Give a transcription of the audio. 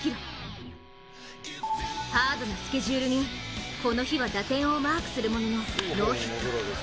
ハードなスケジュールにこの日は打点をマークするもののノーヒット。